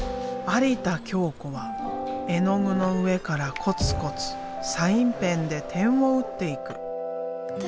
有田京子は絵の具の上からこつこつサインペンで点を打っていく。